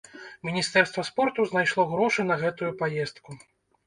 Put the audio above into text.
Міністэрства спорту знайшло грошы на гэтую паездку.